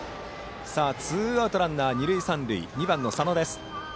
ツーアウトランナー、二塁三塁で２番、佐野。